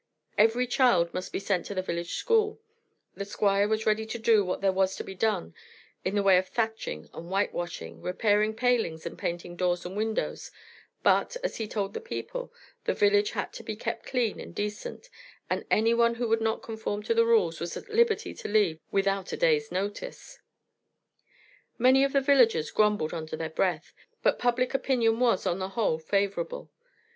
Every child must be sent to the village school; the Squire was ready to do what there was to be done in the way of thatching and whitewashing, repairing palings and painting doors and windows, but, as he told the people, the village had to be kept clean and decent, and anyone who would not conform to the rules was at liberty to leave without a day's notice. Many of the villagers grumbled under their breath, but public opinion was, on the whole, favorable.